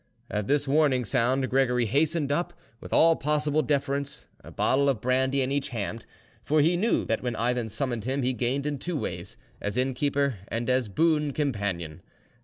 At this warning sound Gregory hastened up with all possible deference, a bottle of brandy in each hand; for he knew that when Ivan summoned him he gained in two ways, as innkeeper and as boon companion.